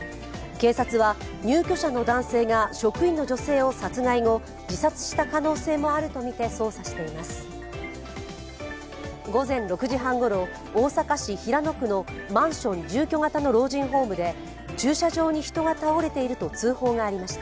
警察は入居者の男性が職員の女性を殺害後自殺した可能性もあるとみて捜査しています。